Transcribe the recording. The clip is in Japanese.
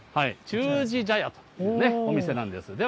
忠治茶屋というお店なんですね。